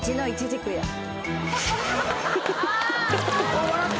おっ笑った。